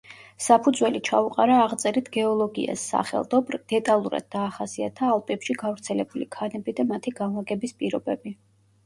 საფუძველი ჩაუყარა აღწერით გეოლოგიას, სახელდობრ: დეტალურად დაახასიათა ალპებში გავრცელებული ქანები და მათი განლაგების პირობები.